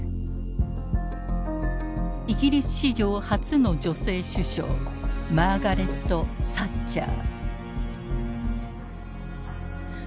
イギリス史上初の女性首相マーガレット・サッチャー。